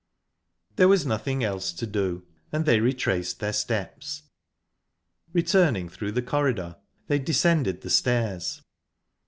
There was nothing else to do, and they retraced their steps. Returning through the corridor, they descended the stairs.